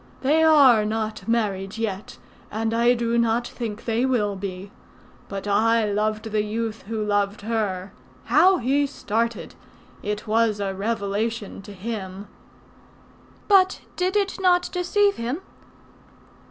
They are not married yet, and I do not think they will be. But I loved the youth who loved her. How he started! It was a revelation to him." "But did it not deceive him?"